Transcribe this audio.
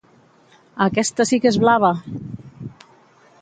Aquesta sí que és blava!